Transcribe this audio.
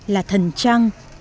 là thần trăng